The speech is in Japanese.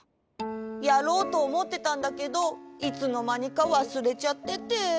やろうとおもってたんだけどいつのまにか忘れちゃってて。